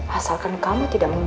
asalkan kamu tidak mau pergi